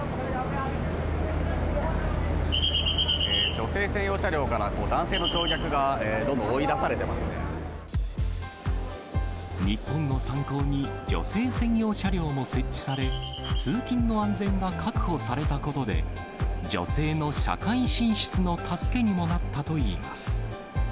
女性専用車両から男性の乗客日本を参考に、女性専用車両も設置され、通勤の安全が確保されたことで、女性の社会進出の助けにもなったといいます。